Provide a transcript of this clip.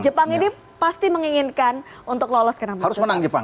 jepang ini pasti menginginkan untuk lolos